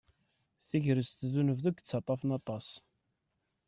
Tagrest d unebdu i yettaṭṭafen aṭas.